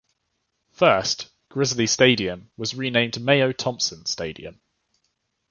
First, Grizzly Stadium was renamed Mayo-Thompson Stadium.